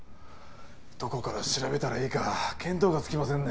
どこから調べたらいいか見当がつきませんね